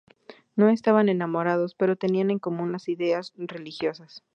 No estaban enamorados pero tenían en común las ideas religiosas.